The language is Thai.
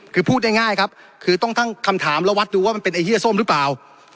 คือพูดง่ายครับคือต้องตั้งคำถามและวัดดูว่ามันเป็นไอ้เฮียส้มหรือเปล่า